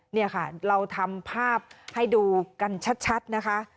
นี่ค่ะเราทำภาพให้ดูกันชัดนะคะ